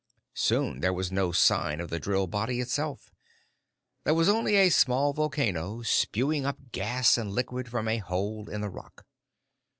Soon there was no sign of the drill body itself. There was only a small volcano, spewing up gas and liquid from a hole in the rock.